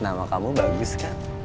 nama kamu bagus kan